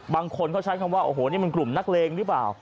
บางคนเขาใช้คำว่าโอ้โหนี่มันกลุ่มนักเลงหรือเปล่า